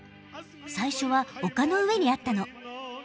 最初は丘の上にあったの。